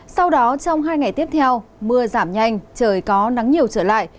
sau đó trong hai ngày tiếp theo mưa giảm nhanh trời có nắng nhiều trở lại